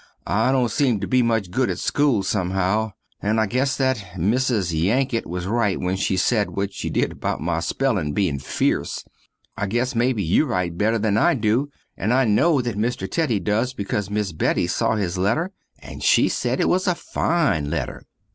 I dont seem to be much good at school somehow, and I guess that missis Yanket was rite when she sed what she did about my spellin bein feerce. I guess mebbe you rite better than I do, and I no that mister Teddy dose becaus miss Betty saw his letter and she sed it was a fine letter.